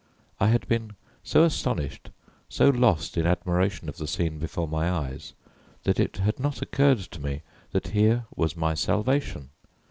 I had been so astonished, so lost in admiration of the scene before my eyes, that it had not occurred to me that here was my salvation.